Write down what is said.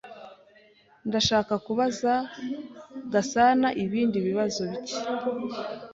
Ndashaka kubaza Gasanaibindi bibazo bike.